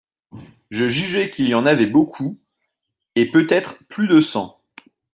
Je jugeais qu'il y en avait beaucoup, et peut-être plus de cent.